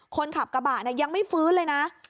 คนขับกระบะยังไม่ฟื้นเลยนะ